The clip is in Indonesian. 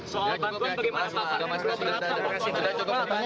soal bantuan bagaimana pak